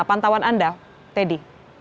pantauan anda teddy